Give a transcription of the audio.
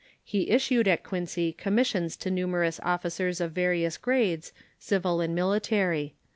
He issued at Quincy commissions to numerous officers of various grades, civil and military.